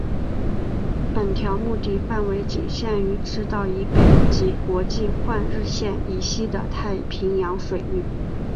本条目的范围仅局限于赤道以北及国际换日线以西的太平洋水域。